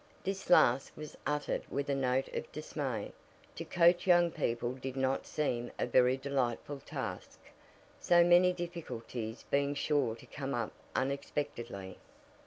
This last was uttered with a note of dismay to coach young people did not seem a very delightful task, so many difficulties being sure to come up unexpectedly.